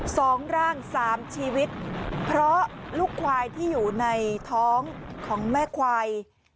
สองร่างสามชีวิตเพราะลูกควายที่อยู่ในท้องของแม่ควาย